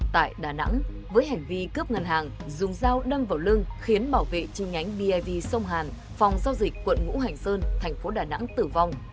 tại đà nẵng với hành vi cướp ngân hàng dùng dao đâm vào lưng khiến bảo vệ chi nhánh biv sông hàn phòng giao dịch quận ngũ hành sơn thành phố đà nẵng tử vong